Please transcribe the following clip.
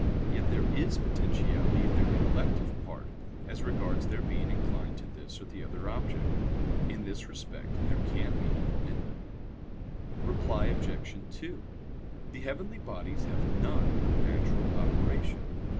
Yet there is potentiality in their intellective part, as regards their being inclined to this or the other object. In this respect there can be evil in them. Reply Obj. 2: The heavenly bodies have none but a natural operation.